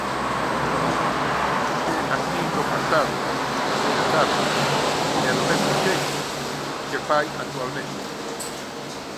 Fíxose así no pasado –vostede sábeo– e do mesmo xeito se fai actualmente.